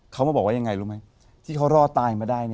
เขามาบอกว่ายังไงรู้ไหมที่เขารอดตายมาได้